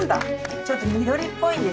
ちょっと緑っぽいんですね。